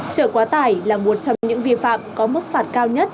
trở quá tải là một trong những vi phạm có mức phạt cao nhất